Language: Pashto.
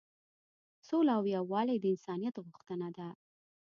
سوله او یووالی د انسانیت غوښتنه ده.